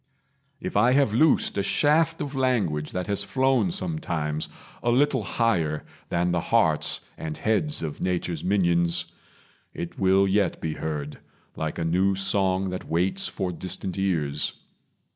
If I have loosed A shaft of language that has flown sometimes A little higher than the hearts and heads Of nature's minions, it will yet be heard, Like a new song that waits for distant ears.